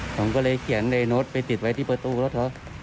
ผมก็เลยเขียนในโน้ตไปติดไว้ที่ประตูรถเขา